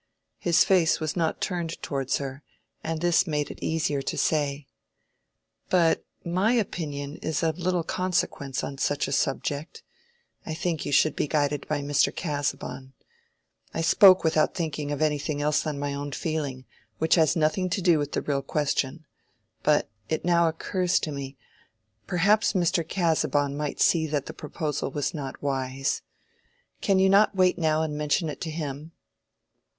His face was not turned towards her, and this made it easier to say— "But my opinion is of little consequence on such a subject. I think you should be guided by Mr. Casaubon. I spoke without thinking of anything else than my own feeling, which has nothing to do with the real question. But it now occurs to me—perhaps Mr. Casaubon might see that the proposal was not wise. Can you not wait now and mention it to him?"